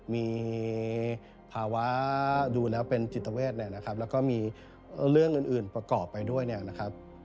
มีภาวะดูแล้วเป็นจิตเวทเนี่ยนะครับแล้วก็มีเรื่องอื่นประกอบไปด้วยเนี่ยนะครับ